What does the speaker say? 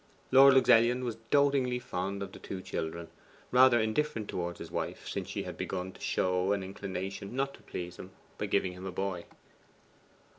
Lord Luxellian was dotingly fond of the children; rather indifferent towards his wife, since she had begun to show an inclination not to please him by giving him a boy.